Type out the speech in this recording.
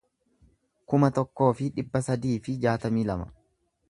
kuma tokkoo fi dhibba sadii fi jaatamii lama